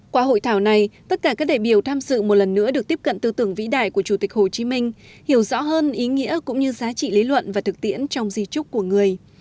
qua hội thảo này tất cả các đại biểu tham dự một lần nữa được tiếp cận tư tưởng vĩ đại của chủ tịch hồ chí minh hiểu rõ hơn ý nghĩa cũng như giá trị lý luận và thực tiễn trong di trúc của người